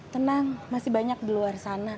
tenang masih banyak di luar sana